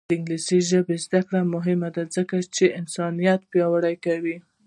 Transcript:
د انګلیسي ژبې زده کړه مهمه ده ځکه چې انسانیت پیاوړی کوي.